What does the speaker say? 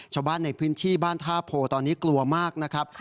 ชาวบ้านในพื้นที่บ้านท่าโพตอนนี้กลัวมากนะครับ